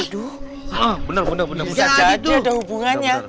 aduh bener bener udah ada hubungannya